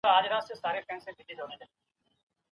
د ژوند سطحې له یو بل سره توپیر لري.